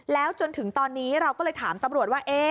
แล้วจนถึงตอนนี้เราก็เลยถามตำรวจว่า